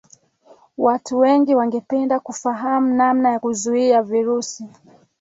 watu wengi wangependa kufahamu namna ya kuzuia virusi